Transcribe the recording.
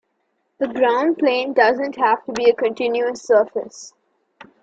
The ground plane doesn't have to be a continuous surface.